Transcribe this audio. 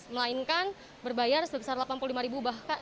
melainkan berbayar sebesar rp delapan puluh lima bahkan